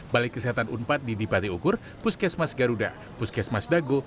balai kesehatan unpat di dipati ukur puskesmas garuda puskesmas dago